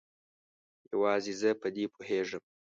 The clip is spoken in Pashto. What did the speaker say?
یوازې زه په دې پوهیږم